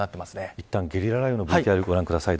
いったんゲリラ雷雨のＶＴＲをご覧ください。